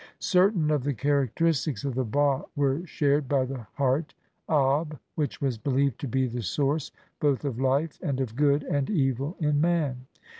Certain of the characteristics of the ba were shared by the heart, db, which was believed to be the source both of life and of good and evil in man.